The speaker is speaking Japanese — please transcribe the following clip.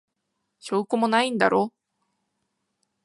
証拠もないんだろ。